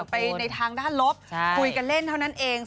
ไปในทางด้านลบคุยกันเล่นเท่านั้นเอง